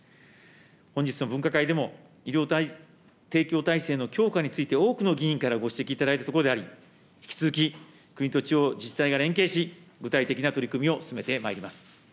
本日の分科会でも、医療提供体制の強化について、多くの議員からご指摘いただいたところであり、引き続き、国と地方自治体が連携し、具体的な取り組みを進めてまいります。